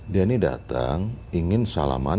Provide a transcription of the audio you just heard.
dia ini datang ingin salaman